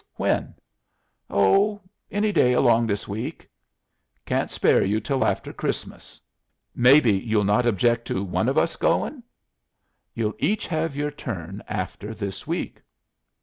"When?" "Oh, any day along this week." "Can't spare you till after Christmas." "Maybe you'll not object to one of us goin'?" "You'll each have your turn after this week."